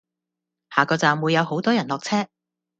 下個站會有好多人落車